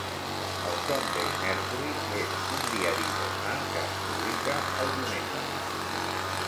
El "Sunday Mercury" és un diari germà que es publica el diumenge.